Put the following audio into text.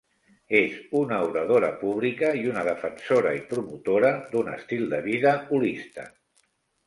És una oradora pública i una defensora i promotora d'un estil de vida holista.